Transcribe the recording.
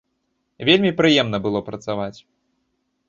Вельмі прыемна было працаваць.